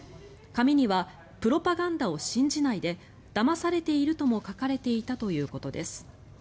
紙にはプロパガンダを信じないでだまされているとも書かれていたということです。